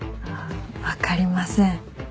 ああ分かりません。